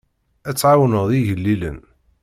Ad tɛawneḍ igellilen.